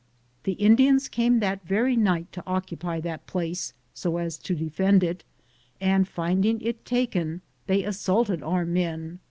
The Indians came that very night to occupy that place so as to defend it, and finding it taken, they assaulted our men.